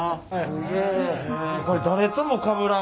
これ誰ともかぶらんからね